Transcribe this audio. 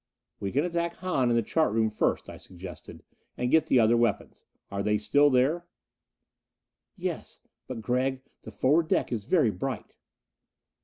"We can attack Hahn in the chart room first," I suggested. "And get the other weapons. Are they still there?" "Yes. But Gregg, the forward deck is very bright."